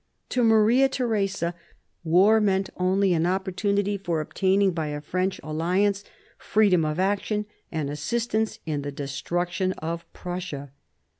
To Maria Theresa, war meant only an opportunity for obtaining by a French alliance freedom of action and assistance in the destruction of Prussia.